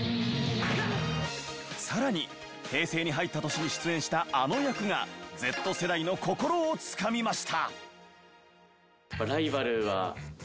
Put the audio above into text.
更に平成に入った年に出演したあの役がＺ世代の心をつかみました。